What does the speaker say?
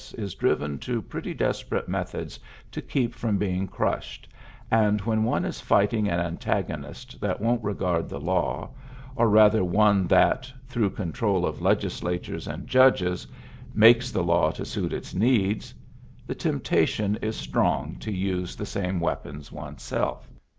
is driven to pretty desperate methods to keep from being crushed, and when one is fighting an antagonist that won't regard the law, or rather one that, through control of legislatures and judges, makes the law to suit its needs, the temptation is strong to use the same weapons one's self.